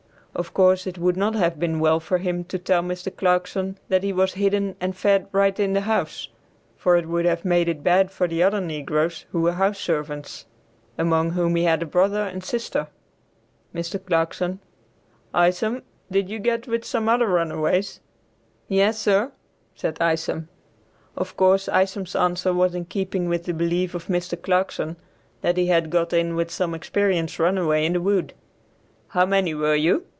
Of course it would not have been well for him to tell Mr. Clarkson that he was hidden and fed right in the house, for it would have made it bad for the other negroes who were house servants, among whom he had a brother and sister. Mr. Clarkson. "Isom, did you get with some other runaways?" "Yes, sir," said Isom. Of course Isom's answer was in keeping with the belief of Mr. Clarkson that he had got in with some experienced runaway in the woods. "How many were with you?"